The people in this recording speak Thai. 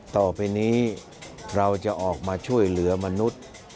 ต่อไปนี้เราจะออกมาช่วยเหลือมนุษย์